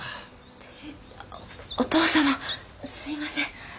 てっお義父様すいません。